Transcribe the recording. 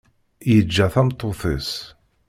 Yeǧǧa tameṭṭut-is.